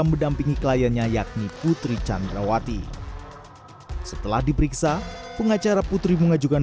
mendampingi kliennya yakni putri candrawati setelah diperiksa pengacara putri mengajukan